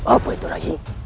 apa itu rai